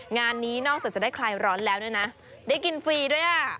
งานนี้นอกจากจะได้คลายร้อนแล้วเนี่ยนะได้กินฟรีด้วยอ่ะ